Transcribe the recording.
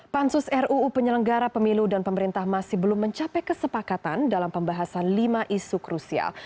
pansus ruu penyelenggara pemilu dan pemerintah masih belum mencapai kesepakatan dalam pembahasan lima isu krusial